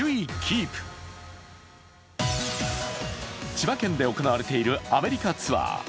千葉県で行われているアメリカツアー。